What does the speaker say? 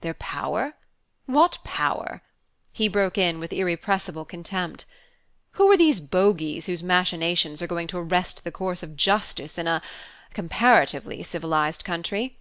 "Their power? What power?" he broke in with irrepressible contempt. "Who are these bogeys whose machinations are going to arrest the course of justice in a comparatively civilized country?